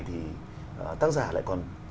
thì tác giả lại còn